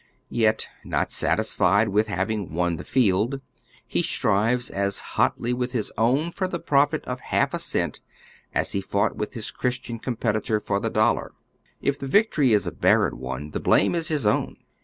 Yet, not satisfied with having won the field, he strives as hotly with his own for the profit of half a cent as he fought with his Christian competitor for the dollar. If the victory is a barren one, the blame is his own.